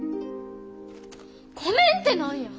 ごめんって何や！